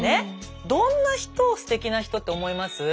どんな人をステキな人って思います？